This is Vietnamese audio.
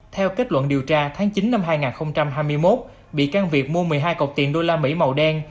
theo kết luận điều tra tháng chín năm hai nghìn hai mươi một bị can việt mua một mươi hai cọc tiền đô la mỹ màu đen